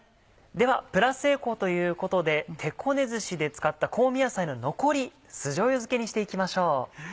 ではプラスエコということで手こねずしで使った香味野菜の残り酢じょうゆ漬けにしていきましょう。